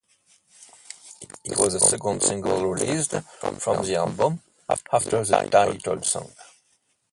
It was the second single released from the album, after the title song.